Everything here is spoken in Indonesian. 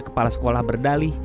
kepala sekolah berdalih